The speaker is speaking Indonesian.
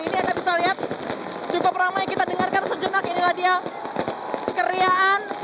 ini anda bisa lihat cukup ramai kita dengarkan sejenak inilah dia keriaan